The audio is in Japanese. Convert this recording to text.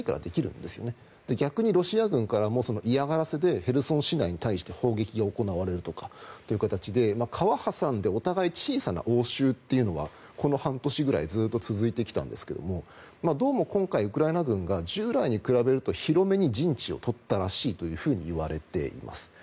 逆にロシア軍からも嫌がらせでヘルソン市内に対して砲撃が行われるという形で川を挟んでお互い、小さな応酬はこの半年くらいずっと続いてきたんですがどうも今回ウクライナ軍が従来に比べると広めに陣地を取ったらしいといわれています。